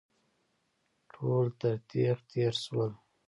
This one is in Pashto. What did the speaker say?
ټول تر تېغ تېر شول.